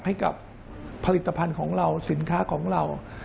ให้กับผลิตภัณฑ์ของเราสินค้าของเรา